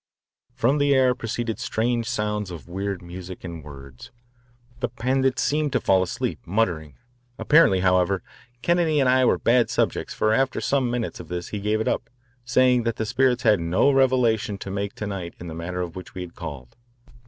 >From the air proceeded strange sounds of weird music and words. The Pandit seemed to fall asleep, muttering. Apparently, however, Kennedy and I were bad subjects, for after some minutes of this he gave it up, saying that the spirits had no revelation to make to night in the matter in which we had called.